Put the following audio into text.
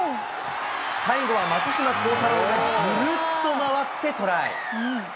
最後は松島幸太朗がぐるっと回ってトライ。